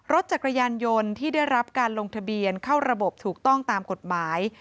รถจักรยานยนต์ที่ได้รับการลงทะเบียนเข้าระบบถูกต้องตามกฎหมาย